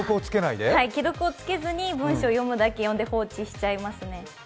既読をつけずに文章を読むだけ読んで放置しちゃいますね。